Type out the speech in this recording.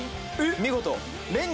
見事。